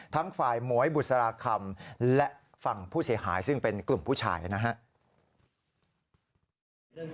ทั้งฝ่ายหมวยบุษราคำและฝั่งผู้เสียหายซึ่งเป็นกลุ่มผู้ชายนะครับ